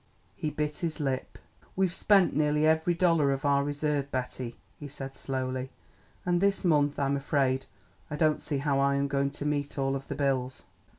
He bit his lip. "We've spent nearly every dollar of our reserve, Betty," he said slowly, "and this month I'm afraid I don't see how I am going to meet all of the bills."